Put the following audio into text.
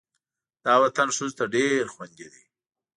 دا وطن ښځو ته ډېر خوندي دی.